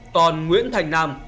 còn nguyễn thành nam